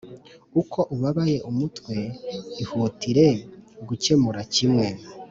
uko ubabaye umutwe ihutire gukemura kimwe